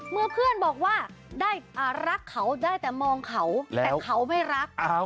เมื่อเพื่อนบอกว่าได้รักเขาได้แต่มองเขาแต่เขาไม่รัก